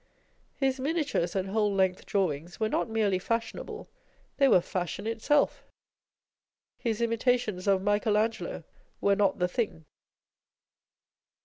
His miniatures and whole length drawings were not merely fashionable â€" they were fashion itself. His imitations of Michael Angelo were not the thing.